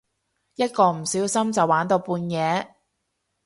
一個唔小心就玩到半夜